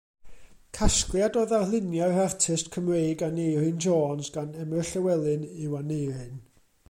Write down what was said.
Casgliad o ddarluniau'r artist Cymreig Aneurin Jones gan Emyr Llywelyn yw Aneurin.